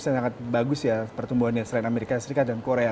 sangat bagus ya pertumbuhannya selain amerika serikat dan korea